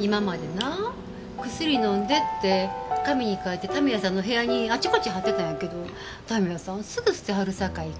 今までなぁ薬飲んでって紙に書いて田宮さんの部屋にあちこち貼ってたんやけど田宮さんすぐ捨てはるさかい